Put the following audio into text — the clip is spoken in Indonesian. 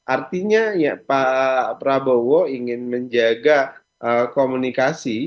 artinya pak prabowo ingin menjaga komunikasi